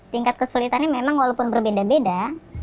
tingkat kesulitannya memang walaupun berbeda beda